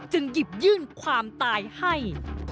หยิบยื่นความตายให้